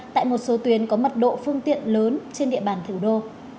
tại một số tuyến có mật độ phương tiện lớn trên địa bàn thủ đô